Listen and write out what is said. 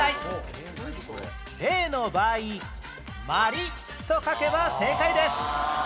例の場合「まり」と書けば正解です